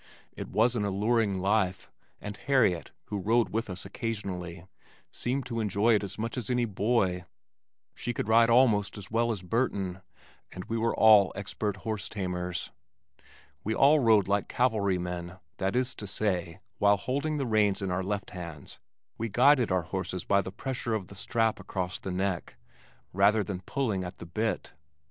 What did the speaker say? It was an alluring life, and Harriet, who rode with us occasionally, seemed to enjoy it quite as much as any boy. She could ride almost as well as Burton, and we were all expert horse tamers. We all rode like cavalrymen, that is to say, while holding the reins in our left hands we guided our horses by the pressure of the strap across the neck, rather than by pulling at the bit.